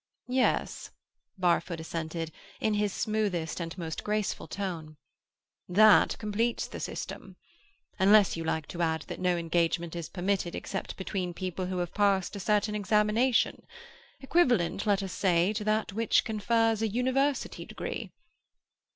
"Yes," Barfoot assented, in his smoothest and most graceful tone. "That completes the system. Unless you like to add that no engagement is permitted except between people who have passed a certain examination; equivalent, let us say, to that which confers a university degree."